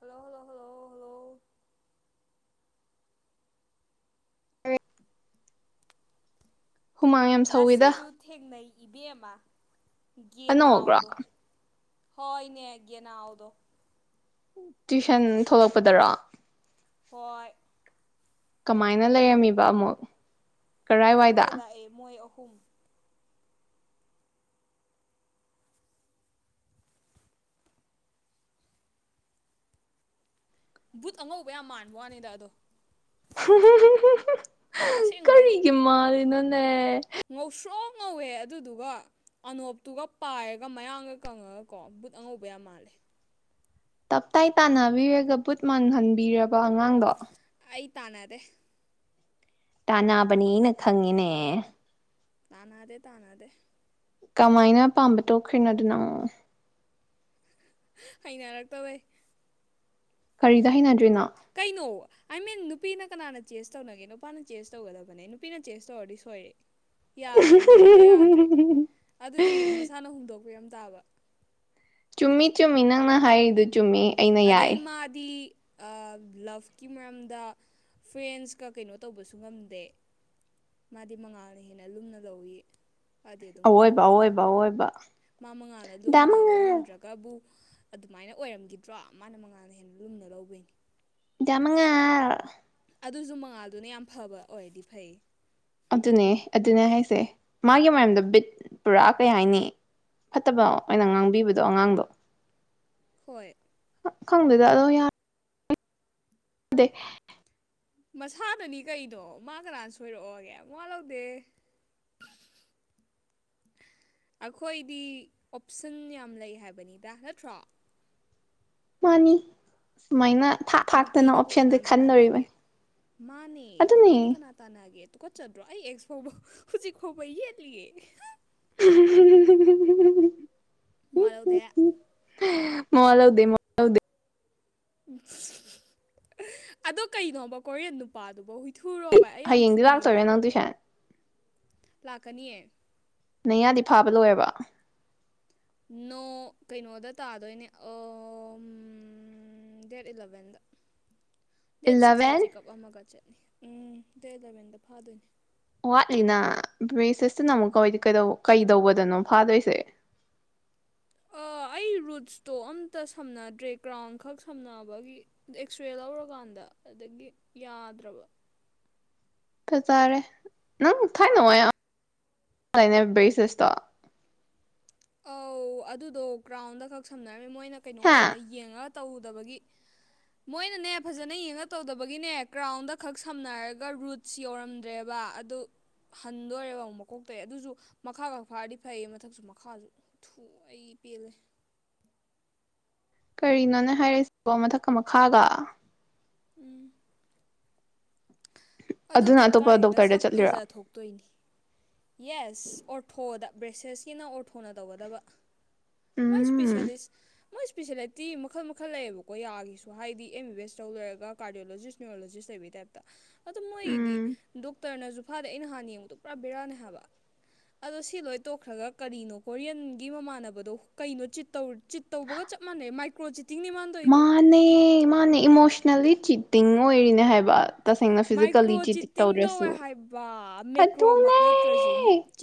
hello hello hello hello ꯍꯥꯏꯋ [unintelligible] ꯍꯨꯃꯥꯡ ꯌꯥꯝ ꯁꯧꯋꯤꯗ ꯏꯕꯦꯝꯃꯥ ꯑꯅꯧꯕ꯭ꯔꯣ ꯒꯦꯅꯥꯥꯎꯗꯣ ꯍꯣꯏꯅꯦ ꯒꯦꯅꯥꯎꯗꯣ ꯇꯨꯏꯁꯟ ꯊꯣꯛꯂꯛꯄꯗꯔꯣ ꯍꯣꯏ [inaudible] ꯀꯃꯥꯏꯅ ꯂꯩꯔꯝꯃꯤꯕ ꯑꯃꯨꯛ ꯈꯪꯗꯦ ꯀꯔꯥꯏꯋꯥꯏꯗ ꯂꯥꯛꯑꯦ ꯃꯣꯏ ꯑꯍꯨꯝ ꯕꯨꯠ ꯑꯉꯧꯕ ꯌꯥꯝ ꯃꯥꯟꯕ ꯋꯥꯅꯤꯗ ꯑꯗꯣ ꯑꯁꯦꯡꯕꯩ ꯀꯔꯤꯒꯤ ꯃꯥꯜꯂꯤꯅꯣꯅꯦ ꯉꯧꯁ꯭ꯔꯣꯛ ꯉꯧꯋꯦ ꯑꯗꯨꯗꯨꯒ ꯑꯅꯣꯞꯇꯨꯒ ꯄꯥꯏꯔꯒ ꯃꯌꯥꯡꯒ ꯀꯪꯉꯒꯀꯣ ꯕꯨꯠ ꯑꯉꯧꯕ ꯌꯥꯝ ꯃꯥꯜꯂꯦ ꯇꯞꯇꯥꯏ ꯇꯥꯟꯅꯕꯤꯔꯒ ꯕꯨꯠ ꯃꯥꯟꯍꯟꯕꯤꯔꯕ ꯑꯉꯥꯡꯗꯣ ꯑꯩ ꯇꯥꯟꯅꯔꯦ ꯇꯅꯥꯕꯅꯤꯅ ꯈꯪꯉꯅꯦ ꯇꯥꯅꯗꯦ ꯇꯥꯅꯗꯦ ꯀꯃꯥꯏꯅꯄꯥꯥꯝꯕ ꯇꯣꯛꯈ꯭ꯔꯤꯅꯣ ꯑꯗꯨꯅ ꯑꯃꯨꯛ ꯑꯩꯅ ꯍꯥꯏꯔꯛꯇꯕꯩ ꯀꯔꯤꯗ ꯍꯅ ꯀꯩꯅꯣ ꯑꯥꯏ ꯃꯤꯟ ꯅꯨꯄꯤꯅ ꯀꯅꯥꯅ ꯆꯦꯁ ꯇꯧꯅꯒꯦ ꯅꯨꯄꯥꯅ ꯆꯦꯁ ꯇꯧꯒꯗꯕꯅꯦ ꯅꯨꯄꯤꯅ ꯆꯦꯁ ꯇꯧꯔꯗꯤ ꯁꯣꯏꯔꯦ ꯌꯥꯗ꯭ꯔꯦ ꯔꯨꯜꯗꯣ ꯌꯥꯗ꯭ꯔꯦ ꯑꯗꯨꯗꯤ ꯃꯁꯥꯅ ꯍꯣꯡꯗꯣꯛ ꯀꯨꯔꯝ ꯇꯥꯕ ꯆꯨꯝꯃꯤ ꯆꯨꯝꯃꯤ ꯅꯪꯅ ꯍꯥꯏꯔꯤꯗꯨ ꯆꯨꯝꯃꯤ ꯑꯩꯅ ꯑꯗꯩ ꯌꯥꯏ ꯃꯥꯗꯤ ꯂꯞꯀꯤ ꯃꯔꯝꯗ ꯐ꯭ꯔꯦꯟꯁꯀ ꯀꯩꯅꯣ ꯇꯧꯕꯁꯨ ꯉꯝꯗꯦ ꯃꯥꯗꯤ ꯃꯉꯥꯜꯅ ꯍꯦꯟꯅ ꯂꯨꯝꯅ ꯂꯧꯏ ꯑꯋꯣꯏꯕ ꯑꯋꯣꯏꯕ ꯑꯋꯣꯏꯕ ꯃꯥ ꯃꯉꯥꯜꯂ ꯗꯥ ꯂꯨꯝꯅ ꯃꯉꯥꯜ ꯂꯧꯔꯝꯗ꯭ꯔꯒꯕꯨ ꯑꯗꯨꯃꯥꯏꯅ ꯑꯣꯏꯔꯝꯈꯤꯗ꯭ꯔꯣ ꯃꯥꯅ ꯃꯉꯥꯜꯅ ꯍꯦꯟꯅ ꯂꯨꯝꯅ ꯂꯧꯕꯩꯅꯤ ꯌꯥꯃꯉ ꯑꯗꯨꯁꯨ ꯃꯉꯥꯜꯗꯨꯅ ꯌꯥꯝ ꯐꯕ ꯑꯣꯏꯔꯗꯤ ꯐꯩ ꯑꯗꯨꯅꯦ ꯑꯗꯨꯅꯦ ꯍꯥꯏꯁꯦ ꯃꯥꯒꯤ ꯃꯔꯌꯝꯗ ꯕꯤꯠ ꯄꯨꯔꯥ ꯀꯩ ꯍꯥꯏꯅꯤ ꯐꯠꯇꯕ ꯑꯣꯏꯅ ꯉꯥꯡꯕꯤꯕꯗꯣ ꯑꯉꯥꯡꯗꯣ ꯍꯣꯏ ꯈꯪꯗꯗ ꯑꯗꯣ ꯌꯥꯔ ꯑꯗꯦ ꯃꯁꯥꯗꯅꯤ ꯀꯗꯣ ꯃꯥ ꯀꯅꯥꯅ ꯁꯣꯏꯔꯛꯑꯣꯒꯦ ꯃꯥ ꯂꯧꯗꯦ [unintelligible] ꯑꯩꯈꯣꯏꯗꯤ ꯑꯣꯞꯁꯟ ꯌꯥꯝ ꯂꯩ ꯍꯥꯏꯕꯅꯤꯗ ꯅꯠꯇ꯭ꯔꯣ ꯃꯥꯅꯤ ꯁꯨꯃꯥꯏꯅ ꯊꯥꯛ ꯊꯥꯛꯇꯅ ꯅꯨꯄꯤꯅꯕꯨ ꯑꯣꯞꯁꯟꯁꯦ ꯀꯅꯥꯅ ꯇꯥꯟꯅꯒꯦ ꯈꯟꯗꯣꯔꯤꯕꯅꯤ ꯃꯥꯅꯦ ꯑꯗꯨꯅꯦ ꯅꯨꯄꯤꯅ ꯀꯅꯥ ꯇꯥꯟꯅꯒꯦ ꯨ ꯀꯠꯆꯗ꯭ꯔꯣ ꯑꯩ ꯑꯦꯛꯁ ꯐꯥꯎꯕ ꯍꯧꯖꯤꯛ ꯐꯥꯎꯕ ꯌꯦꯠꯂꯤꯌꯦꯦ [unintelligible] ꯃꯔꯊꯧꯗꯦ ꯃꯣ ꯂꯥꯎꯗ ꯃꯣ ꯂꯧ ꯎ ꯑꯗꯣ ꯀꯩꯅꯣꯕ ꯀꯣꯔꯤꯌꯟ ꯅꯨꯄꯥꯗꯨꯕ ꯍꯨꯏ ꯍꯌꯦꯡꯗꯤ ꯂꯥꯛꯆꯔꯦ ꯅꯪ ꯇꯨꯏꯁꯦꯟ ꯂꯥꯛꯀꯅꯤꯌꯦ ꯅꯩꯌꯥꯗꯤ ꯐꯥꯕ ꯂꯣꯏꯔꯕ ꯅꯣ ꯀꯩꯅꯣꯗ ꯇꯥꯗꯣꯏꯅꯦ ꯗꯦꯠ ꯏꯂꯕꯟꯗ ꯗꯦꯠ ꯁꯤꯛꯁꯇ ꯏꯂꯚꯦꯟ ꯆꯦꯛꯑꯞ ꯑꯃꯒ ꯆꯠꯂꯤ ꯎꯝ ꯗꯦꯠ ꯑꯦꯂꯚꯦꯟꯗ ꯐꯥꯗꯣꯏꯅꯦ ꯋꯥꯠꯂꯤꯅ ꯃꯤ ꯁꯤꯁꯇꯅ ꯑꯃꯨꯛꯀ ꯀꯩꯗꯧꯕꯗꯅꯣ ꯐꯥꯗꯣꯏꯁꯦ ꯑꯣ ꯑꯩ ꯔꯨꯠꯁꯇꯣ ꯑꯝꯇ ꯁꯝꯅꯗ꯭ꯔꯦ ꯀ꯭ꯔꯥꯎꯟ ꯈꯛ ꯁꯝꯅꯕꯒꯤ ꯑꯦꯛꯁꯔꯦ ꯂꯧꯔꯀꯥꯟꯗ ꯑꯗꯒꯤ ꯌꯥꯗ꯭ꯔꯕ ꯐꯖꯥꯔꯦ ꯅꯪ ꯊꯥꯏꯅꯅꯨꯡꯉꯥꯏ ꯂꯩꯅ ꯕꯦꯁꯁꯣ ꯑꯧ ꯑꯗꯨꯗꯣ ꯀꯒ꯭ꯔꯥꯎꯟꯗ ꯈꯛ ꯁꯝꯅꯔꯝꯃꯤ ꯃꯣꯏꯅ ꯀꯩꯅꯣ ꯍꯥ ꯑꯣꯏꯅ ꯌꯦꯡꯉ ꯇꯧꯗꯕꯒꯤ ꯃꯣꯏꯅꯅꯦ ꯐꯖꯅ ꯌꯦꯡꯉ ꯇꯧꯗꯕꯒꯤꯅꯦ ꯀ꯭ꯔꯥꯎꯟꯗ ꯈꯛ ꯁꯝꯅꯔꯒ ꯔꯨꯠꯁ ꯌꯧꯔꯝꯗ꯭ꯔꯦꯕ ꯑꯗꯨ ꯍꯟꯗꯣꯔꯦꯕ ꯑꯃꯨꯛ ꯃꯀꯣꯛꯇ ꯑꯗꯨꯁꯨ ꯃꯈꯥ ꯈꯛ ꯐꯥꯔꯗꯤ ꯐꯩꯌꯦ ꯃꯊꯛꯁꯨ ꯃꯈꯥꯁꯨ ꯊꯨ ꯑꯩ ꯄꯦꯜꯂꯦ ꯀꯔꯤꯅꯣꯅꯦ ꯍꯥꯏꯔꯁꯤꯕꯣ ꯃꯊꯛꯀ ꯃꯈꯥꯒ ꯎꯝ ꯑꯗꯣ ꯑꯗꯨꯅ ꯀꯩꯝ ꯑꯇꯣꯞꯄ ꯀꯥꯏꯗꯦꯗ ꯗꯣꯛꯇꯔꯗ ꯁꯛ ꯆꯠꯂꯤꯔꯣ ꯐꯖ ꯊꯣꯛꯇꯣꯏꯅꯤ ꯌꯦꯁ ꯑꯣꯊꯣꯗ ꯕ꯭ꯔꯦꯁꯦꯁꯀꯤꯅ ꯑꯣꯔ ꯊꯣꯟꯅ ꯇꯧꯒꯗꯕ ꯃꯣꯏ ꯎꯝ ꯏꯁꯄꯤꯁꯦꯂꯤꯁ ꯃꯣꯏ ꯏꯁ꯭ꯄꯤꯦꯁꯦꯂꯤꯇꯤ ꯃꯈꯜ ꯃꯈꯜ ꯂꯩꯌꯦꯕꯀꯣ ꯌꯥꯒꯤꯁꯨ ꯍꯥꯏꯗꯤ ꯑꯦꯝ ꯑꯦꯁ ꯇꯧ ꯂꯩꯔꯒ ꯀꯥꯔꯗꯤꯌꯣꯂꯣꯖꯤꯁ꯭ꯌꯨꯔꯣꯂꯣꯖꯤꯁ ꯇ ꯑꯗꯨ ꯃꯣꯏꯗꯤ ꯗꯣꯛꯇꯔꯅꯁꯨ ꯐꯥꯗꯦ ꯑꯩꯅ ꯍꯥꯟꯅ ꯌꯦꯡꯕꯗꯣ ꯄꯨꯔꯥ ꯕꯦꯔꯥꯅꯦ ꯍꯥꯏꯕ ꯑꯗꯣ ꯁꯤ ꯂꯣꯏ ꯇꯣꯛꯈ꯭ꯔꯒ ꯀꯔꯤꯅꯣ ꯀꯣꯔꯤꯌꯟꯒꯤ ꯃꯃꯥꯟꯅꯕꯗꯣ ꯀꯩꯅꯣꯤꯧ ꯆꯤꯠ ꯇꯧꯕꯒ ꯆꯞ ꯃꯅꯦ ꯃꯥꯏꯀ꯭ꯔꯣꯖꯤ ꯃꯥꯅꯦ ꯃꯥꯅꯦ ꯏꯃꯣꯁꯅꯦꯜꯂꯤ ꯆꯤꯠꯇꯤꯡ ꯑꯣꯏꯔꯤꯅꯦ ꯍꯥꯏꯕ ꯇꯁꯦꯡꯅ ꯐꯤꯖꯤꯀꯦꯜꯂꯤ ꯃꯥꯏꯀ꯭ꯔꯣ ꯆꯤꯤ ꯆꯤꯠꯇꯤꯡ ꯇꯧꯋꯦ ꯇꯧꯗ꯭ꯔꯁꯨ ꯍꯥꯏꯕ ꯑꯗꯨꯅꯦ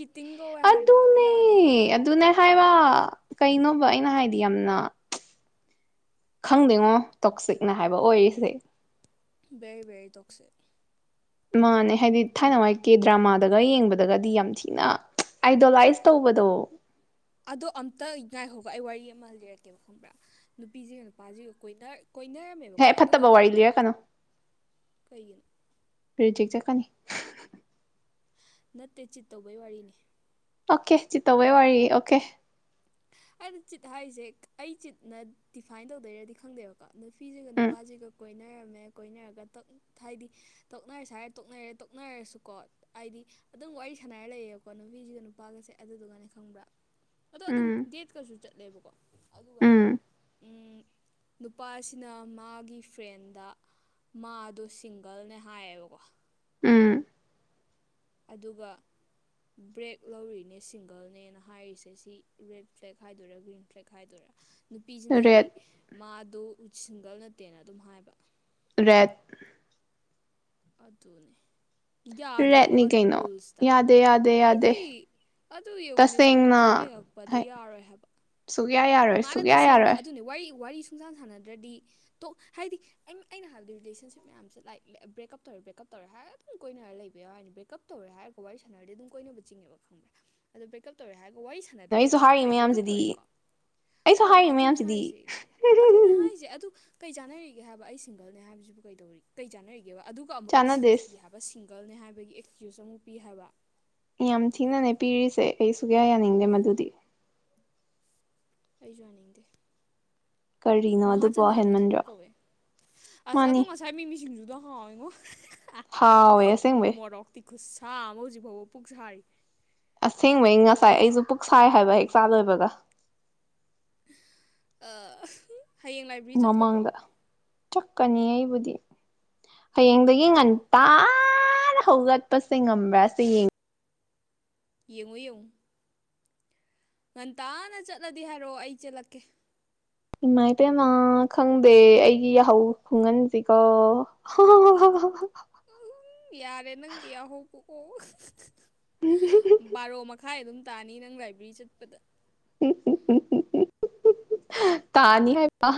ꯐꯤꯇꯤꯡ ꯀꯧꯋꯦ ꯍꯥꯏꯕ ꯑꯗꯨꯅꯦ ꯌꯥꯗꯦ ꯍꯥꯏꯕ ꯑꯗꯨꯅꯦ ꯍꯥꯏꯕ ꯀꯩꯅꯣꯕ ꯑꯩꯅ ꯍꯥꯏꯗꯤ ꯌꯥꯝꯅ ꯈꯪꯗꯦꯉꯣ ꯇꯣꯛꯁꯤꯛꯅ ꯍꯥꯏꯕ ꯑꯣꯏꯔꯤꯁꯦ ꯕꯦꯔꯤ ꯕꯦꯔꯤ ꯇꯣꯛꯣꯛꯁꯦ ꯃꯥꯅꯦ ꯍꯥꯏꯗꯤ ꯊꯥꯏꯅ ꯋꯥꯏꯀꯤꯦ ꯗ꯭ꯔꯃꯥꯗꯒ ꯌꯦꯡꯕꯗꯒꯗꯤ ꯌꯥꯝ ꯊꯤꯅ ꯑꯥꯏꯗꯣꯂꯥꯏꯁ ꯇꯧꯕꯗꯣ ꯑꯗꯣ ꯑꯝꯇ ꯉꯥꯏꯍꯧꯒ ꯑꯩ ꯋꯥꯔꯤ ꯑꯃ ꯂꯤꯔꯛꯀꯦꯕ ꯈꯪꯕ꯭ꯔꯥ ꯅꯨꯄꯤꯁꯤꯒ ꯅꯨꯄꯥꯁꯤꯒ ꯀꯣꯏꯅ ꯍꯦ ꯀꯣꯏꯅꯔꯝꯃꯦꯕꯀꯣ ꯑꯗꯨꯒ ꯐꯠꯇꯕ ꯋꯥꯔꯤ ꯂꯤꯔꯛꯀꯅꯨ ꯀꯩꯒꯤꯅꯣ ꯔꯤꯖꯤꯛ ꯆꯀꯅꯤ ꯅꯠꯇꯦ ꯆꯤꯠ ꯇꯧꯕꯩ ꯋꯥꯔꯤꯅꯤ ꯑꯣꯀꯦ ꯆꯤꯠꯇꯧꯕꯩ ꯋꯥꯔꯤ ꯑꯣꯀꯦ ꯑꯗ ꯆꯤꯠ ꯍꯥꯏꯔꯤꯁꯦ ꯑꯩ ꯆꯤꯠꯅ ꯗꯤꯐꯥꯏꯟ ꯇꯧꯗꯣꯏꯔꯗꯤ ꯈꯪꯗꯦꯕꯀꯣ ꯅꯨꯄꯤꯁꯤꯒ ꯎꯝ ꯅꯨꯄꯥꯁꯤꯒ ꯀꯣꯏꯅ ꯀꯣꯏꯅꯔꯝꯃꯦ ꯀꯣꯏꯅꯔꯒ ꯍꯥꯏꯗꯤ ꯇꯛꯅꯔꯁꯨ ꯍꯥꯏꯔ ꯇꯣꯛꯅꯔꯦ ꯇꯣꯛꯅꯔꯁꯨꯀꯣ ꯍꯥꯏꯗꯤ ꯑꯗꯨꯝ ꯋꯥꯔꯤ ꯁꯥꯟꯅꯔ ꯂꯩꯌꯦꯕꯀꯣ ꯅꯨꯄꯤꯁꯤꯒ ꯅꯨꯄꯥꯒꯁꯦ ꯑꯗꯨꯗꯨꯒꯅꯦ ꯈꯪꯕ꯭ꯔꯥ ꯎꯝ ꯇꯦꯠꯀꯁꯨ ꯆꯠꯂꯦꯕꯀꯣ ꯑꯗꯨꯒꯅ ꯎꯝ ꯎꯝ ꯅꯨꯄꯥ ꯑꯁꯤꯅ ꯃꯥꯒꯤ ꯐ꯭ꯔꯦꯟꯗ ꯃꯥꯗꯣ ꯁꯤꯡꯒꯜꯅꯦ ꯍꯥꯏꯌꯦꯕꯀꯣ ꯎꯝ ꯑꯗꯨꯒ ꯕ꯭ꯔꯦꯛ ꯂꯧꯔꯤꯅꯦ ꯁꯤꯡꯒꯜꯅꯦꯅ ꯍꯥꯏꯔꯤꯁꯦ ꯁꯤ ꯔꯦꯠ ꯐ꯭ꯂꯦꯛ ꯍꯥꯏꯗꯣꯏꯔꯥ ꯒ꯭ꯔꯤꯟ ꯐ꯭ꯂꯦꯛ ꯍꯥꯏꯗꯣꯏꯔꯥ ꯅꯨꯄꯤꯁꯤꯅꯗꯤ ꯔꯦꯠ ꯃꯥꯗꯣ ꯁꯤꯡꯒꯜ ꯅꯠꯇꯦꯅ ꯑꯗꯨꯝ ꯍꯥꯏꯕ ꯔꯦꯠ ꯑꯗꯨꯅꯦ ꯌꯥꯗꯦꯀꯣ ꯔꯦꯠꯅꯤ ꯑꯗꯣ ꯀꯩꯅꯣ ꯔꯨꯜꯁꯇ ꯌꯥꯗꯦ ꯌꯥꯗꯦ ꯌꯥꯗꯦ ꯑꯩꯗꯤ ꯑꯗꯨ ꯌꯦꯡꯉꯨꯅꯦ ꯂꯣꯡ ꯇꯁꯦꯡꯅ ꯇꯔꯝ ꯌꯦꯡꯉꯛꯄꯗ ꯍꯥꯏ ꯌꯥꯔꯣꯏ ꯍꯥꯏꯕ ꯁꯨꯛꯌꯥ ꯌꯥꯔꯣꯏ ꯁꯨ ꯃꯥꯅ ꯀꯌꯥ ꯇꯁꯦꯡꯅ ꯌꯥꯔꯣꯏ ꯑꯗꯨꯅꯦ ꯋꯥꯔꯤ ꯋꯥꯔꯤ ꯁꯨꯡꯁꯥꯟ ꯁꯥꯟꯅꯗ꯭ꯔꯗꯤ ꯇꯣꯛ ꯍꯥꯏꯗꯤ ꯑ ꯑꯩꯅ ꯍꯥꯏꯥꯟꯕꯗꯤ ꯔꯤꯂꯦꯁꯟꯁꯤꯞ ꯃꯌꯥꯝꯁꯦ ꯂꯥꯏꯛ ꯕ꯭ꯔꯦꯛꯀꯞ ꯞ ꯇꯧꯔꯦ ꯕꯦꯀꯞ ꯇꯧꯔꯦꯔ ꯑꯗꯨꯝ ꯀꯣꯏꯅꯔ ꯂꯩꯕ ꯌꯥꯎꯏꯅꯤ ꯕ꯭ꯔꯦꯛꯀꯞ ꯇꯧꯔꯦꯔꯒ ꯋꯥꯔꯤꯥꯟꯅꯔꯗꯤ ꯑꯗꯨ ꯀꯣꯏꯅꯅꯕ ꯆꯤꯡꯉꯕ ꯈꯪꯕ꯭ꯔꯦ ꯑꯗꯣ ꯕ꯭ꯔꯦꯛꯀꯞ ꯇꯧꯔꯦ ꯍꯥꯏꯔꯒ ꯋꯥꯔꯤ ꯑꯩꯁꯨ ꯁꯥꯟꯅꯗ꯭ꯔꯒꯗꯤ ꯍꯥꯏꯔꯤ ꯍꯣꯏ ꯕ꯭ꯔꯦꯛꯀꯞ ꯃꯌꯥꯝꯁꯤꯗꯤ ꯇꯧꯔꯦꯀꯣ ꯑꯩꯁꯨ ꯍꯣꯏ ꯍꯥꯏꯔꯤ ꯑꯗꯨꯅꯦ ꯃꯌꯥꯝꯁꯤꯗꯤ ꯍꯥꯏꯁ ꯑꯗꯨꯅꯦ ꯍꯥꯏꯁꯦ ꯑꯗꯨ ꯀꯩ ꯆꯥꯅꯔꯤꯒꯦ ꯍꯥꯏꯕ ꯑꯩ ꯁꯤꯡꯒꯜꯅꯦ ꯍꯥꯏꯕꯁꯤꯕꯨ ꯀꯩꯗꯧꯔꯤ ꯀꯩ ꯆꯥꯟꯅꯔꯤꯒꯦꯕ ꯑꯗꯨꯒ ꯑꯃꯨꯛ ꯑꯦꯛꯁꯀ꯭ꯌꯨꯁ ꯄꯤ ꯆꯥꯟꯅꯗꯦꯁ ꯍꯥꯏꯕ ꯁꯤꯡ ꯒꯔꯜꯅꯦ ꯍꯥꯏꯕꯒꯤ ꯑꯦꯛꯁꯀ꯭ꯌꯨꯁ ꯑꯃꯨꯛ ꯄꯤ ꯍꯥꯏꯕ ꯌꯥꯝ ꯊꯤꯅꯅꯦ ꯄꯤꯔꯤꯁꯦ ꯑꯩ ꯁꯨꯡ ꯀꯌꯥ ꯌꯥꯅꯤꯡꯗꯦ ꯃꯗꯨꯗꯤ ꯑꯩꯁꯨ ꯋꯥꯅꯤꯡꯗꯦ ꯀꯔꯤꯅꯣ ꯃꯍꯥ ꯑꯗꯨꯕꯣ ꯆꯅꯥꯟꯒꯤ ꯊꯕꯛ ꯍꯦꯟꯃꯟꯗ꯭ꯔꯣ ꯀꯧꯋꯦ ꯑꯁ ꯑꯗꯣ ꯃꯥꯅꯤ ꯉꯁꯥꯏ ꯃꯤꯃꯤꯁꯤꯡꯖꯗꯣ ꯍ ꯏꯉ ꯍꯥꯎ ꯑꯣꯏꯁꯦꯡꯕ ꯈꯨꯁꯥ ꯑꯃ ꯍꯧꯖꯤꯛ ꯐꯥꯎꯕ ꯄꯨꯛ ꯁꯥꯔꯤ ꯑꯁꯦꯡꯕꯩ ꯉꯁꯥꯏ ꯑꯩꯁꯨ ꯄꯨꯛ ꯁꯥꯏ ꯍꯥꯏꯕ ꯍꯦꯛ ꯆꯥ ꯂꯣꯏꯕꯒ ꯍꯌꯦꯡ ꯂꯥꯏꯕ꯭ꯔꯦꯔꯤ ꯆꯠꯀꯗ꯭ꯔꯣ ꯆꯠꯀꯅꯤ ꯑꯩꯕꯨꯗꯤ ꯍꯌꯦꯡꯗꯒꯤ ꯉꯟꯇꯥ ꯑꯣꯀꯦ ꯍꯧꯒꯠꯄꯁꯦ ꯉꯝꯕ꯭ꯔꯥ ꯁꯤ ꯌꯦꯡꯉꯤ ꯌꯦꯡꯉꯨ ꯌꯦꯡ ꯉꯨ ꯉꯟꯇꯥꯅ ꯆꯠꯂꯗꯤ ꯍꯥꯏꯔꯛꯑꯣ ꯑꯩ ꯆꯦꯜꯂꯛꯀꯦ ꯏꯃꯥ ꯏꯇꯦꯅ ꯈꯪꯗꯦ ꯑꯩꯒꯤ ꯌꯥꯍꯧ ꯈꯨꯡꯒꯪꯁꯤꯀꯣ ꯑꯣ [inaudible] ꯎ ꯌꯥꯔꯦ ꯅꯪ ꯌꯥ ꯍꯨ ꯕꯥꯔꯣ ꯃꯈꯥꯏ ꯑꯗꯨꯝ ꯇꯥꯅꯤ ꯅꯪ ꯂꯥꯏꯕ꯭ꯔꯦꯔꯤ ꯆꯠꯄꯗ [unintelligible] [inaudible] [unintelligible] [inaudible] ꯇꯥꯅꯤ ꯍꯥꯏꯕ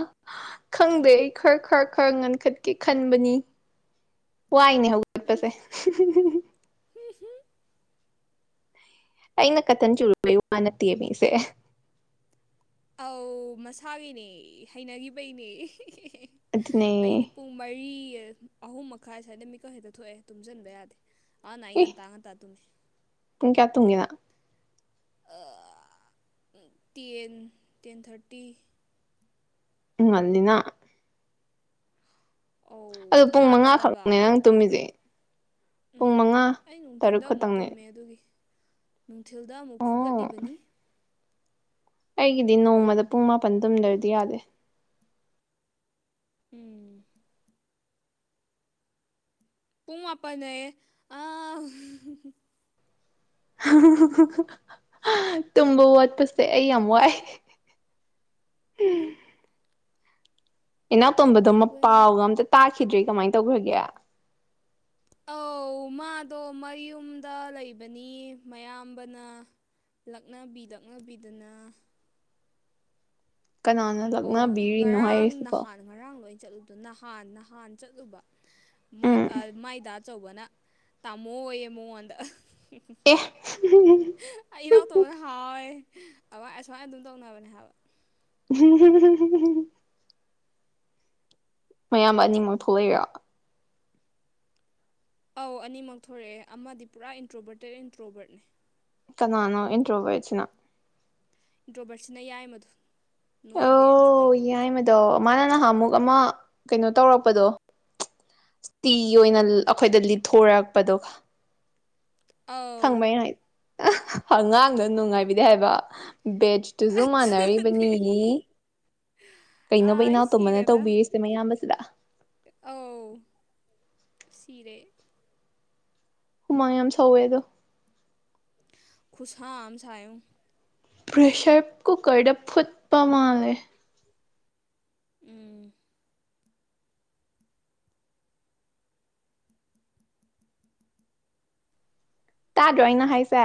ꯈꯪꯗꯦ ꯑꯩ ꯈꯔ ꯈꯔ ꯈꯔ ꯉꯟꯈꯠꯀꯦ ꯈꯟꯕꯅꯤ [unintelligible] [inaudible] ꯋꯥꯏꯅꯦ ꯍꯧꯒꯠꯄꯁꯦ ꯍ [unintelligible] [inaudible] ꯑꯩꯅ ꯀꯊꯟ ꯆꯨꯔꯨꯕꯩ ꯋꯥ ꯅꯠꯇꯦ ꯃꯤꯁꯦ ꯑꯧ ꯃꯁꯥꯒꯤꯅꯦ ꯍꯩꯅꯈꯤꯕꯩꯅꯦ ꯑꯗꯨꯅꯦ ꯑꯩꯗꯤ ꯄꯨꯡ ꯃꯔꯤ ꯑꯍꯨꯝ ꯃꯈꯥꯏ ꯁ꯭ꯋꯥꯏꯗ ꯃꯤꯀꯛ ꯍꯦꯛꯇ ꯊꯣꯛꯑꯦ ꯇꯨꯝꯁꯤꯟꯕ ꯌꯥꯗꯦ ꯑꯅ ꯏ ꯏꯉꯟ ꯇꯥꯉꯟ ꯇ ꯑꯗꯨꯨꯃꯤ ꯄꯨꯡ ꯀꯌꯥ ꯇꯨꯝꯒꯦ ꯅꯪ ꯇꯦꯟ ꯇꯦꯟ ꯊꯥꯔꯇꯤ ꯉꯜꯂꯤꯅ ꯑꯗꯨ ꯑꯧ ꯄꯨꯡ ꯌꯥꯗꯦ ꯍꯥꯏꯕ ꯃꯉꯥꯈꯛꯅꯦ ꯅꯪ ꯇꯨꯝꯃꯤꯁꯦ ꯇꯧꯈ꯭ꯔꯗꯤ ꯄꯨꯡ ꯎꯝ, ꯃꯉꯥ ꯑꯩ ꯇꯔꯨꯛ ꯅꯨꯡꯊꯤꯟꯗ ꯑꯃꯨꯛ ꯈꯛꯇꯪꯅꯤ ꯇꯨꯝꯃꯦ ꯑꯗꯨꯒꯤ ꯅꯨꯡꯊꯤꯜꯗ ꯑꯃꯨꯛ ꯐꯨꯒꯠꯂꯤꯕꯅꯤ ꯑꯩꯒꯤꯗꯤ ꯅꯣꯡꯃꯗ ꯄꯨꯡ ꯃꯥꯄꯟ ꯇꯨꯝꯗ꯭ꯔꯗꯤ ꯌꯥꯗꯦ ꯎꯝ ꯄꯨꯡ ꯃꯗ ꯑ ꯇꯨꯝꯕ ꯋꯥꯠꯄꯁꯦ ꯑꯩ ꯌꯥꯝ ꯋꯥꯏ [unintelligible] [inaudible] ꯎꯝ ꯏꯅꯥꯎꯇꯣꯝꯕꯗꯣ ꯃꯄꯥꯎꯒ ꯑꯝꯇ ꯇꯥꯈꯤꯗ꯭ꯔꯤ ꯀꯃꯥꯏꯅ ꯇꯧꯈ꯭ꯔꯒꯦ ꯑꯧ ꯃꯥꯗꯣ ꯃꯌꯨꯝꯗ ꯂꯩꯕꯅꯤ ꯃꯌꯥꯝꯕꯅ ꯂꯛꯅꯕꯤ ꯂꯛꯅꯕꯤꯗꯅ ꯀꯅꯥꯅ ꯑꯣ ꯂꯛꯅꯕꯤꯔꯤꯅꯣ ꯉꯔꯥꯡ ꯍꯥꯏꯔꯤꯁꯤꯕꯣ ꯅꯍꯥꯟ ꯉꯔꯥꯡ ꯂꯣꯏ ꯆꯠꯂꯨꯕꯗꯣ ꯅꯍꯥꯟ ꯅꯍꯥꯟ ꯆꯠꯂꯨꯕ ꯎꯝ ꯃꯥꯏꯗ ꯑꯆꯧꯕꯅ ꯇꯥꯝꯃꯣ ꯑꯣꯏꯌꯦ ꯃꯉꯣꯟꯗ ꯑꯦ ꯏꯅꯥꯎ ꯇꯣ ꯍ ꯑꯋꯥ ꯑꯁꯨꯃꯥꯏꯅ ꯑꯗꯨꯝ ꯇꯧꯅꯕꯅꯦ ꯍꯥꯏꯕ ꯍꯝ ꯃꯌꯥꯝꯕ ꯑꯅꯤꯃꯛ ꯊꯣꯛꯂꯏꯔ ꯑꯧ ꯑꯅꯤꯃꯛ ꯊꯣꯛꯣꯔꯛꯑꯦ ꯑꯃꯗꯤ ꯄꯨꯔꯥ ꯑꯦꯟꯇ꯭ꯔꯣꯕꯔꯇꯦꯠ ꯑꯦꯟꯇ꯭ꯔꯣꯕꯔꯠꯅꯦ ꯀꯅꯥꯅꯣ ꯏꯟꯔꯣ ꯑꯣꯏꯁꯤꯅ ꯏꯟ ꯗ꯭ꯔꯣꯕꯔꯁꯤꯅ ꯌꯥꯏ ꯃꯗꯨꯣ ꯅꯣꯏ ꯕꯦꯠꯁꯨ ꯑꯣ ꯑꯣꯏꯈꯤꯕꯗꯣ ꯌꯥꯏꯃꯗꯣ ꯃꯥꯅ ꯅꯍꯥꯟ ꯑꯃꯨꯛ ꯑꯃ ꯀꯩꯅꯣ ꯇꯧꯔꯛꯄꯗꯣ ꯇꯤ ꯑꯣꯏꯅ ꯑꯩꯈꯣꯏꯗ ꯂꯤꯠꯊꯣꯔꯛꯄꯗꯣ ꯑꯥꯎ ꯑꯉꯥꯡꯗꯣ ꯅꯨꯡꯉꯥꯏꯕꯤꯗꯤ ꯍꯥꯏꯕ ꯕꯦꯁꯇꯨꯁꯨ ꯃꯥꯟꯅꯔꯤꯕꯅꯤ ꯑꯗꯨꯅꯦ [unintelligible] ꯀꯩꯅꯣꯕ ꯑꯩ ꯏꯅꯥꯎ ꯇꯣꯝꯕꯅ ꯇꯧꯕꯤꯔꯤꯁꯦ ꯃꯌꯥꯝꯕꯁꯤꯗ ꯑꯥꯎ ꯁꯤꯔꯦ ꯍꯨꯃꯥꯡ ꯌꯥꯝ ꯁꯧꯋꯦ ꯑꯗꯣ ꯈꯨꯁꯥ ꯑꯝ ꯁꯥꯏꯉꯣ ꯄ꯭ꯔꯦꯁꯔ ꯀꯨꯀꯔꯗ ꯐꯨꯠꯄ ꯃꯥꯥꯂꯦ ꯎꯝ ꯇꯥꯗ꯭ꯔꯣ ꯑꯩꯅ ꯍꯥꯏꯁꯦ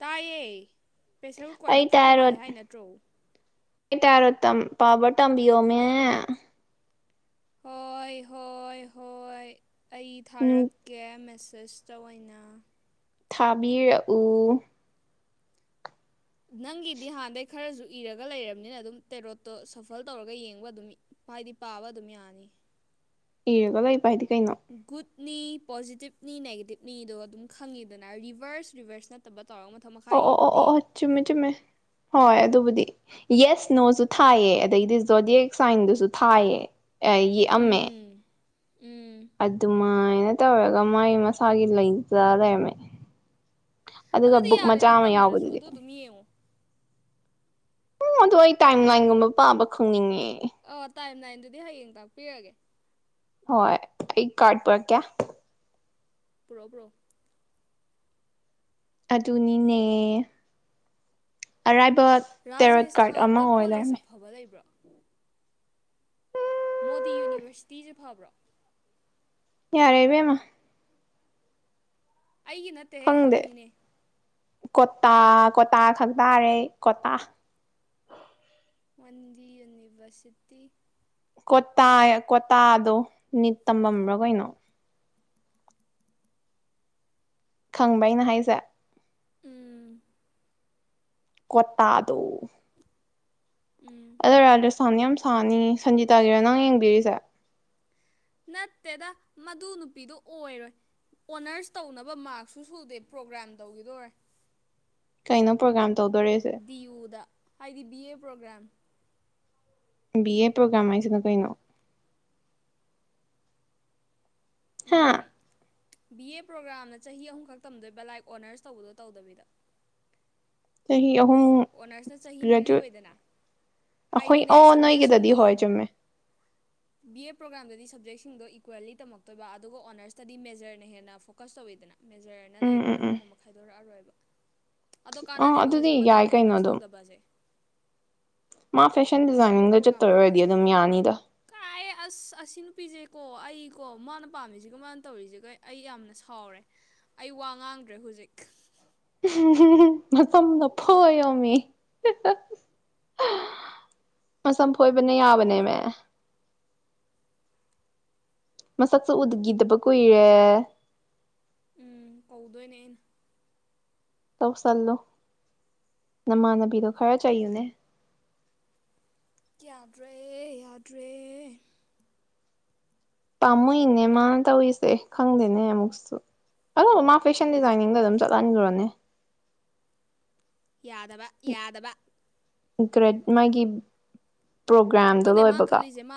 ꯇꯥꯏꯌꯦ ꯄ꯭ꯔꯦꯁꯔ ꯑꯩ ꯀꯨꯀꯔꯗ ꯐꯨꯠꯄ ꯃꯥꯜꯂꯦ ꯍꯥꯏ ꯅꯠꯇ꯭ꯔꯣ ꯠꯔ ꯇꯝ ꯄꯥꯕꯔꯇꯝꯕꯤꯌꯣꯃꯦ ꯍꯣꯏ ꯍꯣꯏ ꯍꯣꯏ ꯑꯩ ꯊꯥꯔꯛꯀꯦ ꯃꯦꯁꯦ ꯁ꯭꯭ꯔꯦꯁꯇ ꯑꯣꯏꯅ ꯊꯥꯕꯤꯔꯛꯎ ꯅꯪꯒꯤꯗꯤ ꯍꯥꯟꯅꯗꯩ ꯈꯔꯁꯨ ꯏꯔꯒ ꯂꯩꯔꯕꯅꯤꯅ ꯑꯗꯨꯝ ꯇꯦꯔꯣꯠꯇꯣ ꯁꯐꯜ ꯇꯧꯔꯒ ꯌꯦꯡꯕ ꯑꯗꯨꯝ ꯍꯥꯏꯗꯤ ꯄꯥꯕ ꯑꯗꯨꯝ ꯌꯥꯅꯤ ꯏꯔꯒ ꯂꯩꯕꯍꯥꯏꯗꯤ ꯒꯨꯠ ꯄꯣꯖꯤꯇꯤꯞꯅꯤ ꯅꯦꯒꯦꯇꯤꯞꯅꯤꯗꯣ ꯑꯗꯨꯝ ꯈꯪꯉꯤꯗꯅ ꯔꯤꯚꯔꯁ ꯔꯤꯚꯔꯁ ꯅꯠꯇꯕ ꯇꯧꯔꯒ ꯃꯊꯛ ꯃꯈꯥ ꯑꯣ ꯑꯣ ꯑꯣ ꯑꯣ ꯏꯗꯨꯗꯤ ꯑꯣ ꯆꯨꯝꯃꯦ ꯆꯨꯝꯃꯦ ꯍꯣꯏ ꯑꯗꯨꯕꯨꯗꯤ ꯌꯦꯁ ꯅꯣꯁꯨ ꯊꯥꯏꯌꯦ ꯑꯗꯒꯤꯗꯤ ꯖꯣꯗꯤ ꯁꯥꯏꯟꯗꯨꯁꯨ ꯊꯥꯏꯌꯦ ꯌꯦꯛꯑꯝꯃꯦ ꯎꯝ ꯎꯝ ꯑꯗꯨꯃꯥꯏꯅ ꯇꯧꯔꯒ ꯃꯥꯒꯤ ꯃꯁꯥꯒꯤ ꯂꯩꯇ ꯂꯩꯔꯝꯃꯦ ꯑꯗꯨꯒ ꯑꯗꯨꯗꯤ ꯕꯨꯛ ꯌꯥꯔꯦ ꯃꯆꯥ ꯅꯪ ꯇꯝꯗ꯭ꯔꯁꯨ ꯑꯗꯨ ꯑꯗꯨꯝ ꯌꯦꯡꯉꯨ ꯎꯝ ꯑꯗ ꯑꯩ ꯇꯥꯏꯝ ꯅꯥꯏꯟꯒꯨꯝꯕ ꯄꯥꯕ ꯈꯪꯅꯤꯡꯉꯦ ꯑꯣ ꯇꯥꯏꯝ ꯂꯥꯏꯟꯗꯨꯗꯤ ꯍꯌꯦꯡ ꯇꯥꯛꯄꯤꯔꯒꯦ ꯍꯣꯏ ꯑꯩ ꯀꯥꯔꯗꯄ ꯀꯌꯥ ꯄ꯭ꯔꯣ ꯄ꯭ꯔꯣ ꯑꯗꯨꯅꯤꯅꯦ ꯑꯔꯥꯏ ꯔꯥꯖꯁꯊꯥꯟꯗ ꯀꯣꯂꯦꯖ ꯑꯐꯕ ꯂꯩꯕ꯭ꯔꯥ ꯃꯣꯗꯤ ꯌꯨꯅꯤꯚꯔꯁꯤꯇꯤꯁꯦ ꯐꯕ꯭ꯔꯣ ꯌꯥꯔꯦ ꯏꯕꯦꯃ ꯑꯩꯒꯤ ꯅꯠꯇꯦꯍꯦ ꯈꯪꯗꯦ ꯍꯪꯉꯤꯅꯦ ꯀꯣꯇꯥ ꯀꯣꯇꯥ ꯈꯪ ꯇꯥꯔꯦ ꯀꯣꯇꯥ ꯃꯟꯗꯤ ꯅꯤꯡꯕꯁꯤꯇ ꯀꯣꯇꯥ ꯀꯣꯇꯥꯗꯣ ꯅꯤꯠ ꯇꯝꯕꯝ ꯂ ꯀꯩꯅꯣ ꯈꯪꯕ ꯅ ꯍꯥꯏꯁꯦ ꯎꯝ ꯀꯠꯇꯗꯣ ꯎꯝ ꯑꯗꯣ ꯔꯥꯖꯁꯊꯥꯟ ꯌꯥꯝ ꯁꯥꯅꯤ ꯁꯪꯒꯤꯖꯤꯇꯥꯒꯤꯔꯥ ꯅꯪ ꯌꯦꯡꯕꯤꯔꯤꯁꯦ ꯅꯠꯇꯦꯗ ꯃꯗꯨ ꯅꯨꯄꯤꯗꯨ ꯑꯣꯏꯔꯣꯏ ꯑꯣꯅꯔꯁ ꯇꯧꯅꯕ ꯃꯥꯔꯛꯁꯨ ꯁꯨꯗꯦ ꯄ꯭ꯔꯣꯒ꯭ꯔꯥꯝ ꯇꯧꯈꯤꯗꯣꯔꯦ ꯀꯩꯅꯩꯅꯣ ꯄꯣꯒ꯭ꯔꯝ ꯗꯤꯌꯎꯗ ꯍꯥꯏꯗꯤ B A programme B A programme ꯍꯥꯏꯁꯤꯅ ꯀꯩꯅꯣ ꯍꯥꯥ ꯕꯤ ꯑꯦ ꯄ꯭ꯔꯣꯒ꯭ꯔꯥꯝꯅ ꯆꯍꯤ ꯑꯍꯨꯝꯈꯛ ꯇꯝꯗꯣꯏ ꯕꯦꯂꯥꯏꯛ ꯑꯣꯅꯔꯁ ꯇꯧꯕꯗꯣ ꯇꯧꯗꯕꯤꯗ ꯆꯍꯤ ꯑꯍꯨꯝ ꯑꯣꯅꯔꯁꯅ ꯆꯍꯤ ꯃꯔꯤ ꯒ꯭ꯔꯦꯖꯨꯋꯦꯠ ꯑꯣꯏꯗꯅ ꯑꯩꯈꯣꯏ ꯍꯥꯏꯗꯤꯅꯦ ꯑꯣ ꯅꯣꯏꯒꯦ ꯗꯗꯤ ꯍ ꯁꯕꯖꯦꯛꯁꯤꯡꯗꯣ ꯆꯃꯦ ꯕꯤ ꯑꯦ ꯄ꯭ꯔꯣꯒ꯭ꯔꯥꯝꯗꯗꯤ ꯁꯕꯖꯦꯛꯁꯤꯡꯗꯣ ꯏꯀ꯭ꯋꯦꯜꯂꯤ ꯇꯝꯃꯛꯇꯣꯏꯕ ꯑꯗꯨꯒ ꯑꯣꯅꯔꯁꯇꯗꯤ ꯃꯦꯖꯔꯅ ꯍꯦꯟꯅ ꯐꯣꯀꯁ ꯇꯧꯋꯤꯗꯅ ꯃꯦꯖꯔꯅ ꯎꯝ ꯎꯝ ꯂꯩꯗꯅ ꯎꯝ ꯑꯗꯨꯒꯨꯝꯕ ꯈꯥꯏꯗꯣꯔꯛꯑꯔꯣꯏꯕ ꯑꯗꯣ ꯑꯥ ꯀꯥꯟꯅꯗꯦꯕ ꯑꯗꯨꯗꯤ ꯍꯧꯖꯤꯛ ꯌꯥꯏ ꯃꯇꯝꯗꯣ ꯀꯩꯅꯣ ꯑꯣꯅꯔꯁ ꯑꯗꯨꯝ ꯇꯧꯗꯕꯁꯦ ꯃꯥ ꯐꯦꯁꯟ ꯑꯦ ꯗꯤꯖꯥꯏꯅꯤꯡꯗ ꯄꯣꯒ꯭ꯔꯝ ꯆꯠꯇꯣꯏ ꯑꯣꯏꯔꯗꯤ ꯑꯗꯨꯝ ꯀꯅꯥꯗꯕ ꯌꯥꯅꯤꯗ ꯀ ꯑꯁ ꯑꯅ ꯄꯤꯖꯦ ꯀ ꯑꯩ ꯀꯣ ꯃꯥꯅ ꯄꯥꯝꯃꯤꯁꯤꯒ ꯃꯥꯅ ꯇꯧꯔꯤꯁꯤꯒ ꯑꯩ ꯌꯥꯝꯅ ꯁꯥꯎꯔꯦ ꯑꯩ ꯋꯥ ꯉꯥꯡꯗ꯭ꯔꯦ ꯍꯧꯖꯤꯛ ꯛ ꯃꯗꯄꯌꯣꯃꯤ [unintelligible] ꯃꯁꯐꯣꯏꯕꯅ ꯌꯥꯕꯅꯦ ꯃ ꯃꯁꯛꯁꯨ ꯎꯗꯈꯤꯗꯕ ꯀꯨꯏꯔꯦ ꯎꯝ ꯀꯧꯗꯅꯦꯩꯅ ꯇꯧꯁꯜꯂꯣ ꯅꯃꯥꯟꯅꯕꯤꯗꯣ ꯈꯔ ꯆꯩꯌꯨꯅꯦ ꯌꯥꯗ꯭ꯔꯦ ꯌꯥꯗ꯭ꯔꯦ ꯄꯥꯝꯃꯏꯅꯦ ꯃꯥꯅ ꯇꯧꯔꯤꯁꯦ ꯈꯪꯗꯦꯅꯦ ꯑꯃꯨꯛꯁꯨ ꯑꯗꯣ ꯃꯥ ꯐꯦꯁꯟ ꯗꯤꯖꯥꯏꯅꯤꯡꯗ ꯑꯗꯨꯝ ꯆꯠꯍꯟꯈꯨꯔꯅꯦ ꯌꯥꯗꯕ ꯌꯥꯗꯕ ꯒ꯭ꯔꯦ ꯃꯥꯒꯤ ꯄ꯭ꯔꯣꯒ꯭ꯔꯥꯝꯗꯣ ꯈꯪꯗꯦ ꯃꯥꯅ ꯂꯣꯏꯕꯒ ꯈꯜꯂꯤꯁꯦ ꯃꯥ